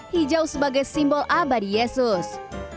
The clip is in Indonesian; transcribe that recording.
hijau sebagai simbol abadi yesus